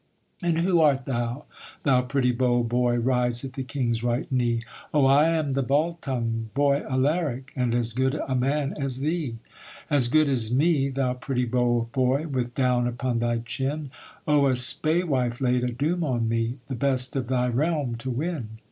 'And who art thou, thou pretty bold boy, Rides at the king's right knee?' 'Oh I am the Baltung, boy Alaric, And as good a man as thee.' 'As good as me, thou pretty bold boy, With down upon thy chin?' 'Oh a spae wife laid a doom on me, The best of thy realm to win.'